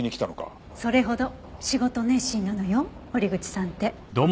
それほど仕事熱心なのよ堀口さんって。